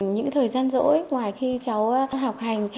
những thời gian rỗi ngoài khi cháu học hành